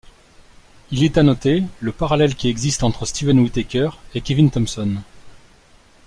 Il est à noter le parallèle qui existe entre Steven Whittaker et Kevin Thomson.